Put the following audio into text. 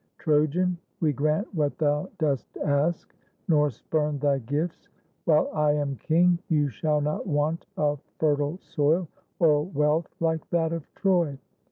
Trojan, we grant what thou dost ask, nor spurn Thy gifts. While I am king, you shall not want A fertile soil, or wealth hke that of Troy.